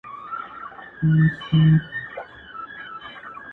چي ورته سر ټيټ كړمه ، وژاړمه~